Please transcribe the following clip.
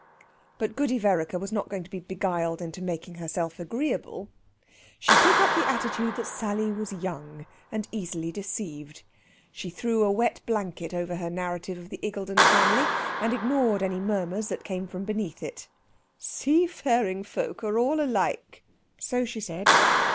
But Goody Vereker was not going to be beguiled into making herself agreeable. She took up the attitude that Sally was young, and easily deceived. She threw a wet blanket over her narrative of the Iggulden family, and ignored any murmurs that came from beneath it. "Sea faring folk are all alike," so she said.